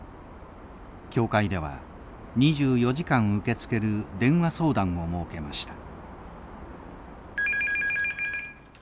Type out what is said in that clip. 教会では２４時間受け付ける電話相談を設けました。